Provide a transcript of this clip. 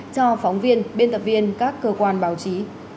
cho phóng viên biên tập viên các cơ quan báo chí